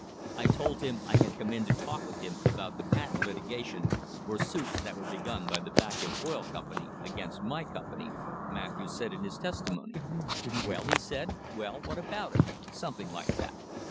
"I told him I had come in to talk with him about the patent litigation, or suits that were begun by the Vacuum Oil Company against my company," Matthews said in his testi mony. " 'Well,' he said, 'well, what about it?' something like that.